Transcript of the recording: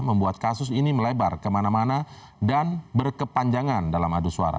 membuat kasus ini melebar kemana mana dan berkepanjangan dalam adu suara